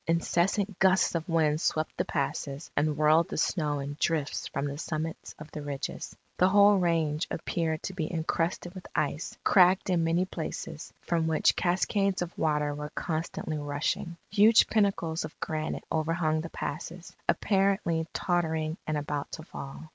Incessant gusts of wind swept the passes, and whirled the snow in drifts from the summits of the ridges. The whole range appeared to be encrusted with ice, cracked in many places, from which cascades of water were constantly rushing. Huge pinnacles of granite overhung the passes, apparently tottering and about to fall.